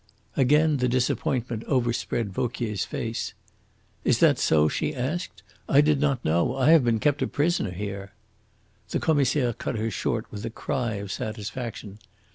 Again the disappointment overspread Vauquier's face. "Is that so?" she asked. "I did not know I have been kept a prisoner here." The Commissaire cut her short with a cry of satisfaction.